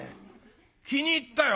気に入ったよ。